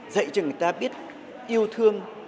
dạy cho người ta biết yêu thương